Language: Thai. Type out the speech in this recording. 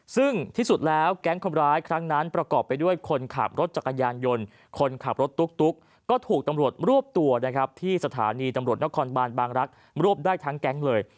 ซึ่งที่สุดแล้วแก๊งคนร้ายครั้งนั้นประกอบไปด้วยคนขับรถจักรยานยนต์คนขับรถตุ๊กก็ถูกตำรวจรวบตัวนะครับที่สถานีตำรวจนครบานบางรักษ์รวบได้ทั้งแก๊งเลย